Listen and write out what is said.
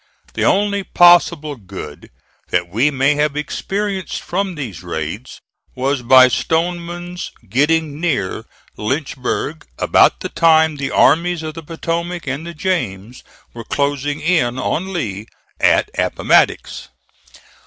The only possible good that we may have experienced from these raids was by Stoneman's getting near Lynchburg about the time the armies of the Potomac and the James were closing in on Lee at Appomattox.